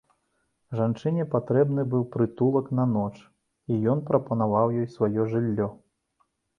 Жанчыне патрэбны быў прытулак на ноч, і ён прапанаваў ёй сваё жыллё.